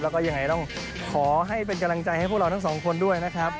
และต้องขอให้เป็นกำลังใจให้พวกเราทั้งสองคนด้วย